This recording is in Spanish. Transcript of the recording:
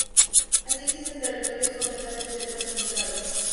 Así existen territorios completamente deshabitados.